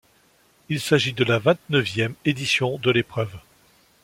Il s'agit de la vingt-neuvième édition de l'épreuve.